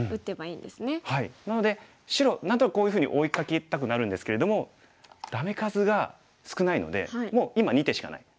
なので白何となくこういうふうに追いかけたくなるんですけれどもダメ数が少ないのでもう今２手しかない。